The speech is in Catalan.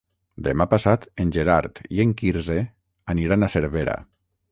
Demà passat en Gerard i en Quirze aniran a Cervera.